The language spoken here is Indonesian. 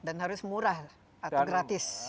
dan harus murah atau gratis